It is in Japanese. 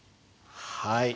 はい。